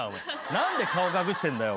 何で顔隠してんだよ！